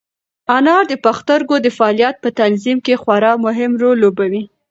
انار د پښتورګو د فعالیت په تنظیم کې خورا مهم رول لوبوي.